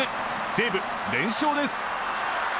西武、連勝です。